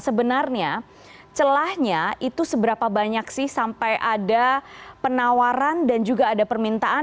sebenarnya celahnya itu seberapa banyak sih sampai ada penawaran dan juga ada permintaan